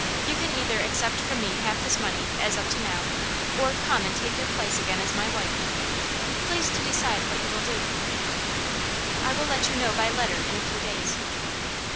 You can either accept from me half this money, as up to now, or come and take your place again as my wife. Please to decide what you will do.' 'I will let you know by letter in a few days.